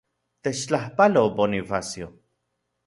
Techtlajpalo, Bonifacio.